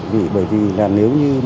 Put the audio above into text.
vì bởi vì là nếu như